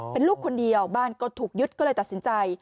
เป็นลูกคนเดียวบ้านก็ถูกยึดก็เลยตัดสินใจ